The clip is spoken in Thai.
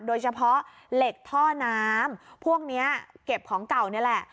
โดยเฉพาะเหล็กท่อน้ำพวกนี้เก็บของเก่านี่แหละ